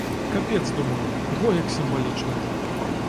Капец, думаю, во як сімвалічна!